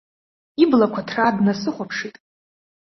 Иблақәа ҭраа днасыхәаԥшит.